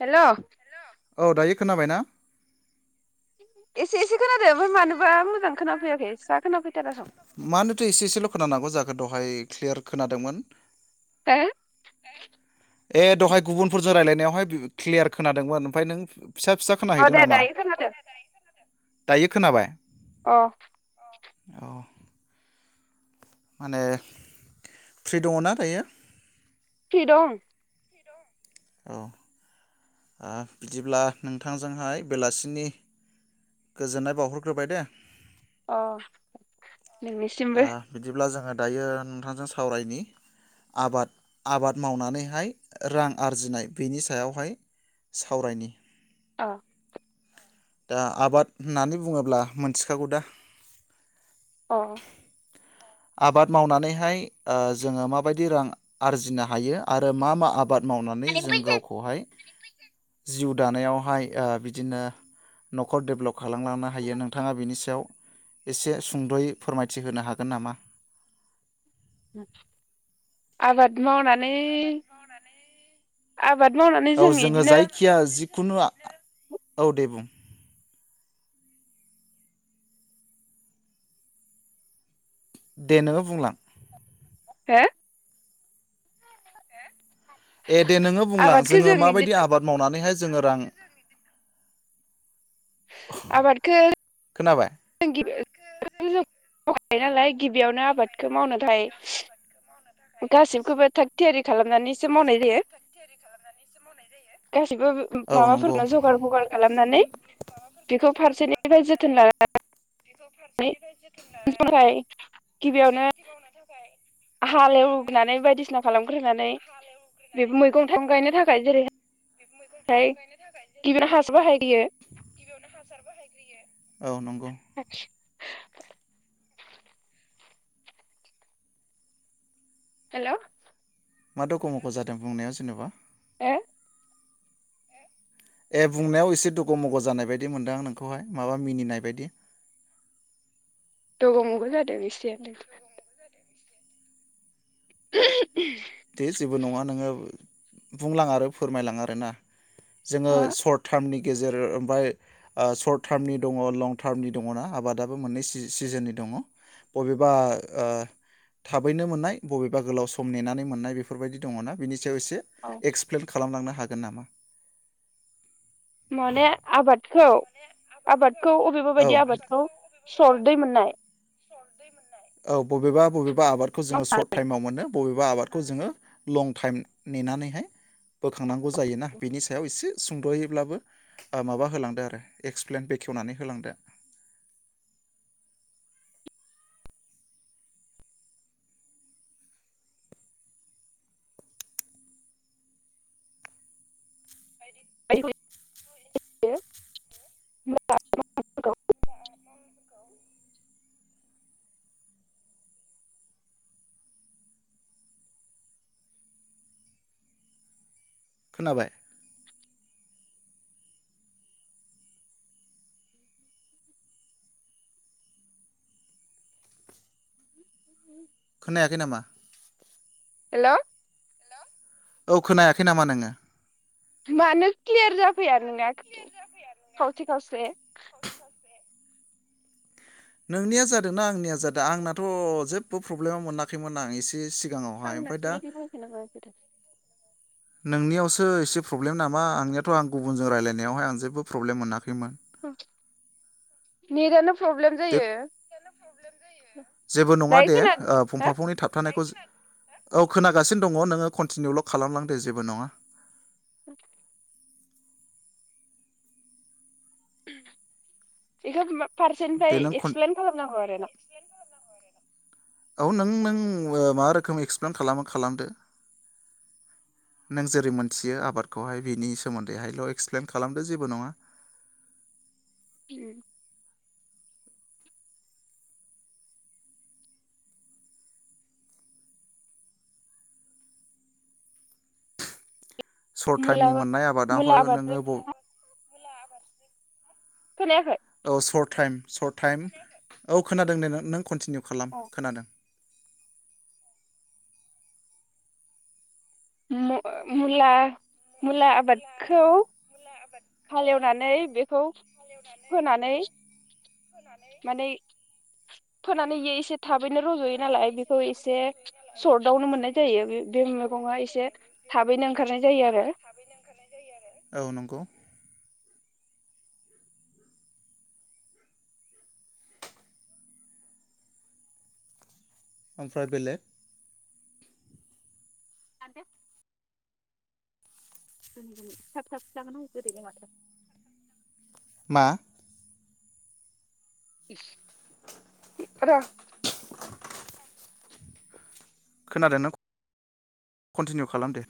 हेल' औ दायो खोनाबाय ना? एसे एसे खोनादों ओमफ्राय मानोबा मोजां खोनाफैयाखै फिसा खोनाफै मानोथो एसे एसेल खोनानांगौ जा खो? दहाय क्लियार खोनादोंमोन। हो? ए दहाय गुबुनफोरजों रायलाय नायाव हाय क्लियार खोनादोंमोन। ओमफ्राय नों फिसा फिसा औ खोनाहैदों दे नामा दायो खोनादो। दायो खोनाबाय? अ अ माहोनो फ्रि दङ' ना दायो? फ्रि दं। अ आ बिदिब्ला नोंथांजोंहाय बेलासिनि गोजोननाय बावहरग्रोबाय दे। अ नोंनिसिमबो आ बिदिब्ला जोङो दायो नोंथांजों सावरायनि आबाद आबाद मावनानैहाय रां आरजिनाय बेनि सायावहाय सावरायनि। अ दा आबाद होननानै बुङोब्ला मोनथिखागौ दा? अ आबाद मावनानैहाय जोङो माबायदि रां आरजिनो हायो आरो मा मा आ बाद मावनानै जों गावखौहाय जिउ दानायावहाय बिदिनो न'खर डेभेलप खालामलांनो हायो नोंथाङा बिनि सायाव एसे सुंदयै फोरमायथिहोनो हागोन नामा? आबाद मावनानै आबाद मावनानै जों इदिनो खुनुआ औ दे बुं। दे नोङो बुंलां। हो? ए दे नोङो बुंलां आबादखौ जोङो जों मा इदि बायदि आबाद मावनानैहाय जोङो रां आबादखो खोनाबाय [unintelligible] गिबियावनो आबादखौ मावनो थाय गासिबखौबो थाग थियारि खालामनानैसो मावनाय जायो गासिबो औ नंगौ माबाफोरनो जगार बगार खालामनानै बेखौ फारसे बेफ्राय जोथोन लान गिबियावनो [unintelligible] गिबियावनो हालेवनानै बायदिसिना खालामग्रोनानै बे हालेवग्रोनानै मैगं बायदिसिना थाइगं गायनो खालामग्रोनानै थाखाय जेरैहाय बे मैगं थाइगं गायनो थाखाय गिबियावनो जेरैहाय हासो बाहायग्रोयो गिबियावनो हासार बाहायग्रोयो औ नंगौ [unintelligible] हेल मा दखमख जादों बुंनाया जेनबा? हो ए बुंनायाव एसे दग मग जानाय बायदि मोनदों नोंखौहाय माबा मिनिनाय बायदि दग मग जादों एसेनो [inaudible] दे जेबो नङा नोङो बुंलां आरो फोरमायलां आरोना जोङो हो सर्ट टार्मनिख गेजेर ओमफ्राय ओ शर्ट टार्मनि दङ लं टार्मनि दङ ना आबादाबो मोननै सि-सिजननि दङ बबेबा ओ थाबैनो मोननाय बबेबा गोलाव सम नेनानै मोननाय बेफोरबायदि दङना बिनि सायाव एसे औ एक्सप्लेन खालामलांनो हा गोन नामा? माने आबाद खौ आबादखौ अबेबा औ बायदि आबादखौ सर्टयै मोननाय सर्टयै मोननाय औ बबेबा बबे बा आबादखौ जोङो सर्ट टाइमाव मोन बबे बा आबादखौ जोङो लं टाइम नेनानैहाय बोखांनांगौ जायोना बेनि सायाव एसे सुंदहैब्लाबो माबा होलांदो आरो एक्सप्लेन बेखेवनानै होलांदो बायदि [unintelligible] खोनाबाय [inaudible] खोनायाखै नामा? हेलौ औ खोनायाखै नामा नोङो? मानो क्लियार जाफैया नोंना [unintelligible] से खावसे नोंनिया जादोंना आंनिया जादों आंनाथ जेबो प्रब्लेमा मोनाखैमोन आं एसे सि आंनासोलै बे [unintelligible] नोंनियावसो एसे प्रब्लेम नामा आंनियाथ आं गुबुनजों रायलायनायावहाय आं जेबो प्रब्लेम मोनाखैमोन। ओम नेटानो। प्रब्लेम दे जायो। जेबो नङा दायो दे खोनादों ओ हो फंफा फंनै थाबथानायखौ जो औ खोनागासिनो दङ नोङो कन्टिनिउल खालामलांदे जेबो नङा। [inaudible] [unintelligible] इखौ होमबा दे पारसेनिफ्राय नों कन एक्सप्लेन खालाम नांगौ आरो ना। औ नों नों मा रोखोम एक्सप्लेन खालामो खालामदो नों जेरै मोनथियो आबादखौहाय बिनि सोमोन्दैहायल एक्सप्लेन खालामदो जेबो नङा। ओम। सर्ट मुला टाइमनि मोननाय मुला आबादावहाय आबादखौ नोङो ब खोनायाखै। औ सर्ट टाइम सर्ट टाइम औ खोनादों दे नों कन्टिनिउ खालाम खोनादों। मुला-मुला आबादखौ। हालेवनानै बेखौ फोनानै। माने फोनानै एसे थाबैनो रजयो नालाय बेखौ एसे सर्टआवनो मोननाय जायो बे बे मैगङा एसे थाबैनो ओंखारनाय जायो आरो। औ नंगौ। [inaudible] ओमफ्राय बेलेग। आदे। थाब थाब जागोन आ गोदैनो माथो। मा। [unintelligible] [inaudible] खोनादों नों कन्टिनिउ खालामदो।